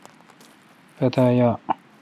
پتا یا۔